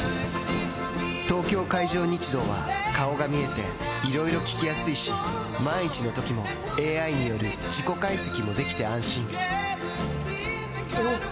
東京海上日動は顔が見えていろいろ聞きやすいし万一のときもＡＩによる事故解析もできて安心おぉ！